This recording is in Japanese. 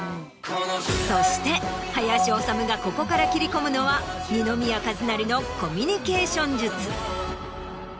そして林修がここから切り込むのは二宮和也のコミュニケーション術。